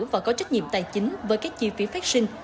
và có trách nhiệm tài chính với các chi phí phát sinh